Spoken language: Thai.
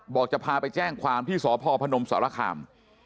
จะพาไปแจ้งความที่สพพนมสรคาม